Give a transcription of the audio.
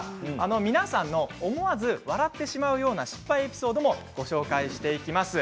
皆さんの思わず笑ってしまうような失敗エピソードもご紹介していきます。